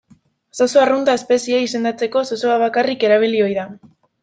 Zozo arrunta espeziea izendatzeko zozoa bakarrik erabili ohi da.